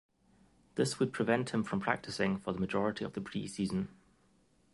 This would prevent him from practicing for the majority of the preseason.